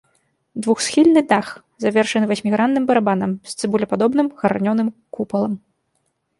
Двухсхільны дах завершаны васьмігранным барабанам з цыбулепадобным гранёным купалам.